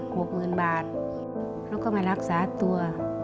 หกหมื่นบาทแล้วก็มารักษาตัว